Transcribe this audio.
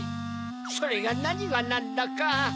それがなにがなんだか。